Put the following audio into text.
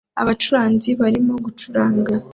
Abacuranzi barimo gucuranga